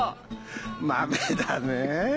マメだねぇ。